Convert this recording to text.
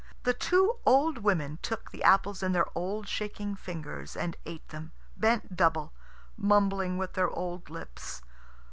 The two old women took the apples in their old shaking fingers and ate them, bent double, mumbling with their old lips.